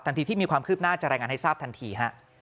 ทีที่มีความคืบหน้าจะรายงานให้ทราบทันทีฮะ